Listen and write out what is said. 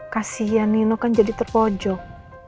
kasian nino kan jadi terpojok